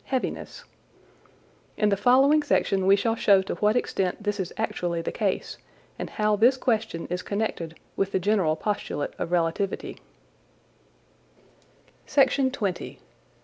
heaviness '). In the following section we shall show to what extent this is actually the case, and how this question is connected with the general postulate of relativity.